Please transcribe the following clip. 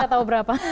tidak tahu berapa